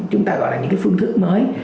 chúng ta gọi là những cái phương thức mới